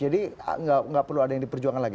nggak perlu ada yang diperjuangkan lagi